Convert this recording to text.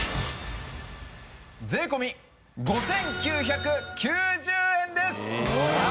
税込５９９０円です！